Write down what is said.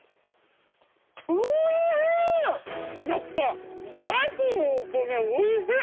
やっぱガスのお米おいしい。